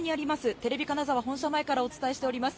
テレビ金沢本社前からお伝えしております。